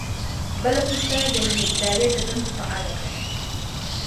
بله پوښتنه د یوې ادارې د دندو په اړه ده.